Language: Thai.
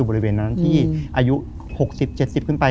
บริเวณนั้นที่อายุ๖๐๗๐ขึ้นไป